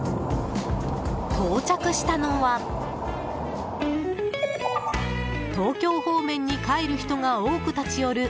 到着したのは東京方面に帰る人が多く立ち寄る